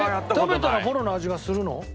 食べたらフォロの味がするの？